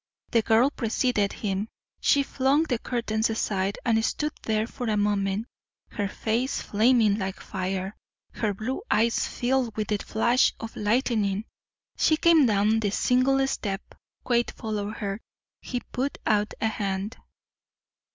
The girl preceded him. She flung the curtains aside and stood there for a moment, her face flaming like fire, her blue eyes filled with the flash of lightning. She came down the single step. Quade followed her. He put out a hand.